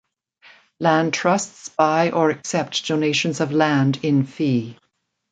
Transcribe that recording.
Land trusts buy or accept donations of land in fee.